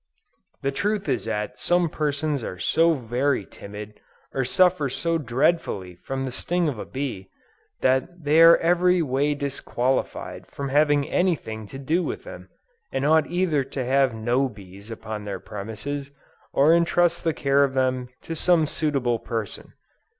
The truth is that some persons are so very timid, or suffer so dreadfully from the sting of a bee, that they are every way disqualified from having anything to do with them, and ought either to have no bees upon their premises, or to entrust the care of them to some suitable person.